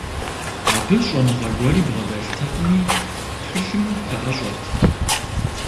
Абы щӀэныгъэ гуэри бгъэдэлътэкъыми, тхылъым пэӀэщӀэт.